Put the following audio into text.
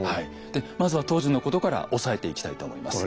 でまずは当時のことから押さえていきたいと思います。